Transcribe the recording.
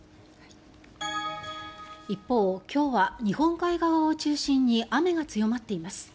一方、今日は日本海側を中心に雨が強まっています。